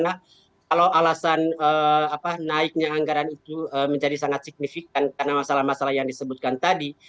nah kalau alasan naiknya anggaran itu menjadi sangat signifikan karena masalah masalah yang disebutkan tadi